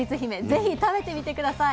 ぜひ食べてみて下さい。